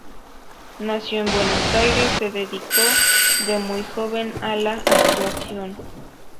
Nacido en Buenos Aires, se dedicó de muy joven a la actuación.